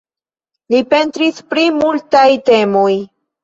Li pentris pri multaj temoj.